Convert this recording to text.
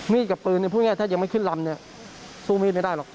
กับปืนพูดง่ายถ้ายังไม่ขึ้นลำเนี่ยสู้มีดไม่ได้หรอก